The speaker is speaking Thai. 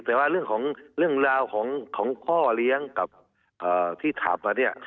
แต่ว่าเรื่องราวของข้อเลี้ยงกับที่ถับ